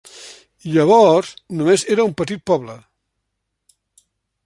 Llavors només era un petit poble.